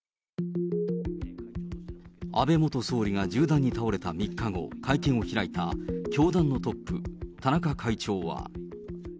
安倍元総理が銃弾に倒れた３日後、会見を開いた教団のトップ、田中会長は。